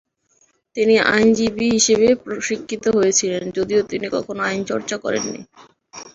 তিনি আইনজীবী হিসেবে প্রশিক্ষিত হয়েছিলেন, যদিও তিনি কখনো আইন চর্চা করেননি।